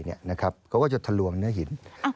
เขาก็จะทะลวงเนื้อหิน